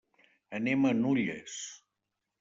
Anem a Nulles.